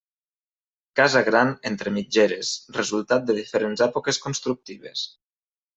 Casa gran entre mitgeres, resultat de diferents èpoques constructives.